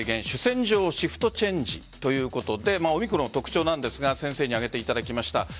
主戦場をシフトチェンジということでオミクロンの特徴なんですが先生に挙げていただきました。